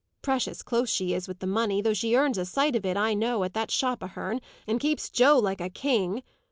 Precious close she is with the money, though she earns a sight of it, I know, at that shop of her'n, and keeps Joe like a king.